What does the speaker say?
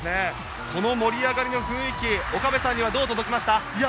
この盛り上がりの雰囲気、岡部さんにはどう届きました？